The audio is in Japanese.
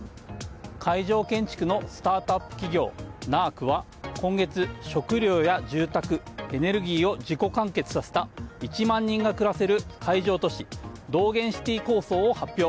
会場建築のスタートアップ企業Ｎ‐ＡＲＫは今月食料や住宅、エネルギーを自己完結させた１万人が暮らせる海上都市ドーゲンシティ構想を発表。